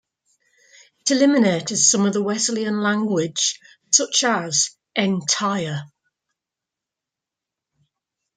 It eliminated some of the Wesleyan language, such as "entire".